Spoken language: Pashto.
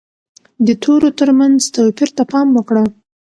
د تورو ترمنځ توپیر ته پام وکړه.